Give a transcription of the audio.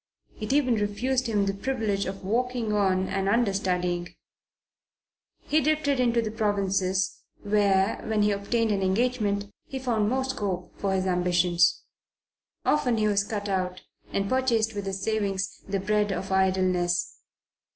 It even refused him the privilege of walking on and understudying. He drifted into the provinces, where, when he obtained an engagement, he found more scope for his ambitions. Often he was out, and purchased with his savings the bread of idleness.